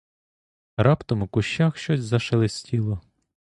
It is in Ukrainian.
Раптом у кущах щось зашелестіло.